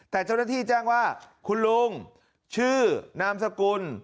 แต่เจ้าหน้าที่แจ้งว่าคุณลุงชื่อนามสกุล